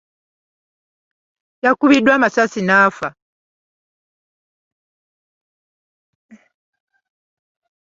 Yakubiddwa amasasi n'afa.